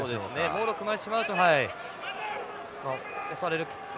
モールを組まれてしまうと押される。